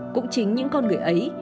cũng chính những con người ấy